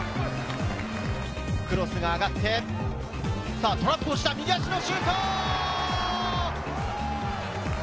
クロスが上がって、トラップをした、右足のシュート！